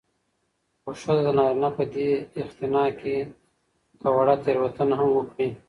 خو ښځه د نارينه په دې اختناق کې که وړه تېروتنه هم وکړي